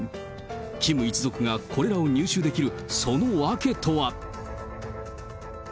キム一族がこれらを入手できるその訳とは。